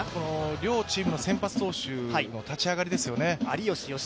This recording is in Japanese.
両チームの先発投手の立ち上がりですよね。